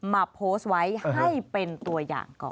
มาโพสต์ไว้ให้เป็นตัวอย่างก่อน